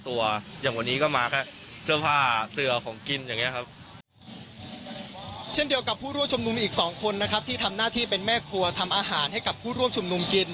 ตัวเองทั้งสองคนนะครับที่ทำหน้าที่เป็นแม่ครัวทำอาหารให้กับผู้ร่วมชมนุมกิน